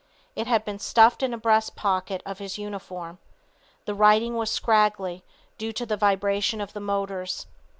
It had been stuffed in a breast pocket of his uniform. The writing was scraggly, due to the vibration of the motors.